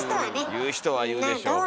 言う人は言うでしょうから。